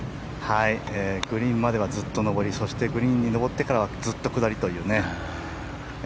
グリーンまではずっと上りそして、グリーンに上ってからはずっと下りというね。